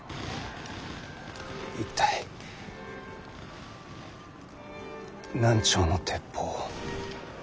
一体何丁の鉄砲を。